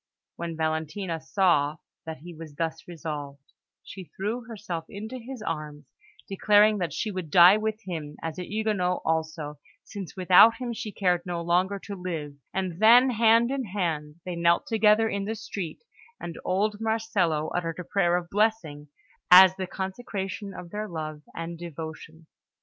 When Valentina saw that he was thus resolved, she threw herself into his arms, declaring that she would die with him as a Huguenot also, since without him she cared no longer to live; and then, hand in hand, they knelt together in the street, and old Marcello uttered a prayer of blessing, as the consecration of their love and devotion.